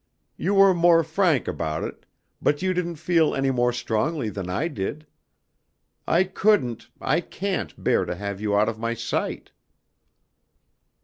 You were more frank about it, but you didn't feel any more strongly than I did. I couldn't, I can't bear to have you out of my sight."